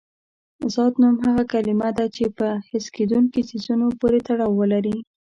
ذات نوم هغه کلمه ده چې په حس کېدونکي څیزونو پورې تړاو ولري.